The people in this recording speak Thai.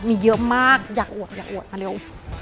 มีเยอะมากอยากอวดอยากอวดมาเร็ว